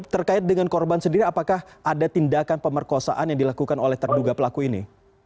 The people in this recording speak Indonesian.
terkait dengan korban sendiri apakah ada tindakan pemerkosaan yang dilakukan oleh terduga pelaku ini